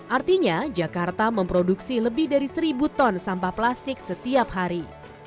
artinya jakarta memproduksi lebih dari seribu ton sampah plastik setiap hari